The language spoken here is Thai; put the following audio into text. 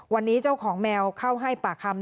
วันนี้เจ้าของแมวเข้าให้ปากคำ